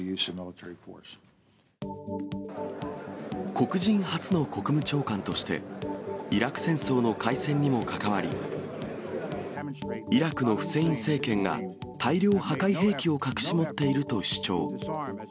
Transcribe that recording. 黒人初の国務長官として、イラク戦争の開戦にも関わり、イラクのフセイン政権が大量破壊兵器を隠し持っていると主張。